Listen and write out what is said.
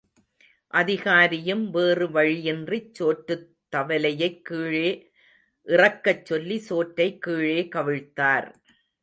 அதிகாரியும் வேறு வழியின்றிச் சோற்றுத் தவலையைக் கீழே இறக்கச்சொல்லி சோற்றை கீழே கவிழ்த்தார்.